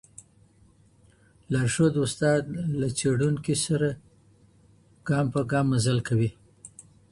لارښود استاد له څېړونکي سره ګام په ګام مزل کوي.